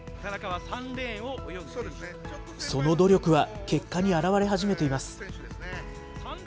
その努力は結果にあらわれ始めています。